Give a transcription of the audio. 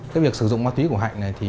cái việc sử dụng ma túy của hạnh này